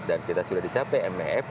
dan kita sudah dicapai mef